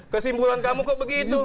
kesimpulan kamu kok begitu